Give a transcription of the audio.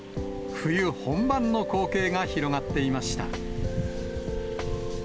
冬本番の光景が広がっていました。